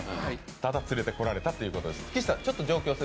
ただ連れてこられたということです。